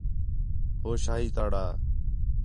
ہو شاہی تَڑ ہا